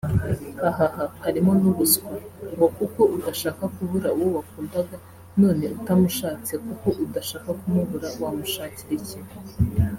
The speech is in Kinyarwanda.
Hhhhhh harimo nubuswa ngo kuko udashaka kubura uwo wakundaga none utamushatse kuko udashaka kumubura wamushakira iki